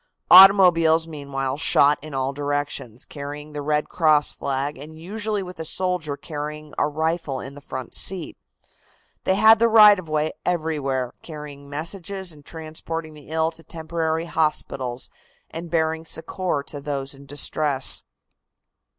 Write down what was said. Automobiles meanwhile shot in all directions, carrying the Red Cross flag and usually with a soldier carrying a rifle in the front seat. They had the right of way everywhere, carrying messages and transporting the ill to temporary hospitals and bearing succor to those in distress.